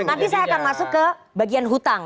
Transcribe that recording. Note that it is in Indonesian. nanti saya akan masuk ke bagian hutang